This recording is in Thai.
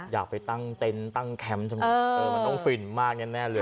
อยากไปตั้งเต็มตั้งแคมป์มันต้องฟินมากอย่างนี้แน่เลย